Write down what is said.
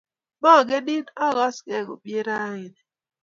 magenin ,akakse komie raini